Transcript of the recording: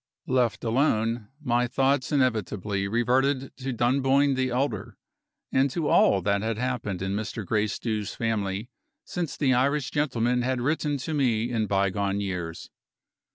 Left alone, my thoughts inevitably reverted to Dunboyne the elder, and to all that had happened in Mr. Gracedieu's family since the Irish gentleman had written to me in bygone years.